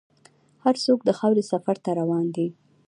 هر څوک د خاورې سفر ته روان دی.